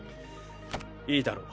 いいだろう。